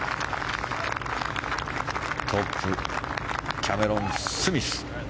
トップ、キャメロン・スミス。